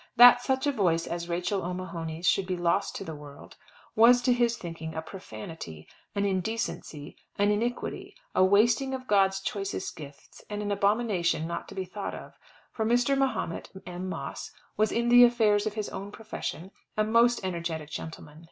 That such a voice as Rachel O'Mahony's should be lost to the world, was to his thinking a profanity, an indecency, an iniquity, a wasting of God's choicest gifts, and an abomination not to be thought of; for Mr. Mahomet M. Moss was in the affairs of his own profession a most energetic gentleman.